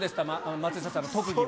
松下さんの特技は。